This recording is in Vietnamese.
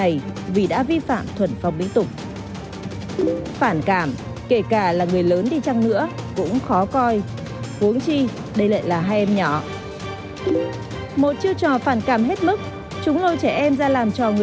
đây là hình ảnh của anh phương chức hành hiệu lệnh của đài tiếng hiệu giao thông